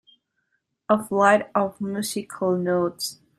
A flight of musical notes.